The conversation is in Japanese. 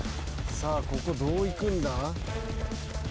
さあここどう行くんだ？